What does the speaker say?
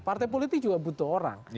partai politik juga butuh orang